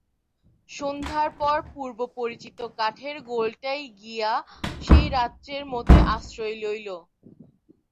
সন্ধ্যার পর পূর্ব-পরিচিত কাঠের গোলটায় গিয়া সে রাত্রের মতো আশ্রয় লইল।